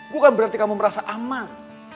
bukan berarti kamu merasa aman